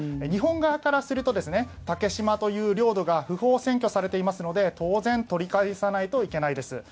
日本側からすると竹島という領土が不法占拠されていますので、当然取り返さないといけないです。